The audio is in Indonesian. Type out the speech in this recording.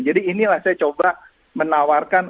jadi inilah saya coba menawarkan